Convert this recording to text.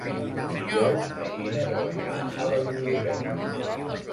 Dijous na Gina vol anar a la biblioteca.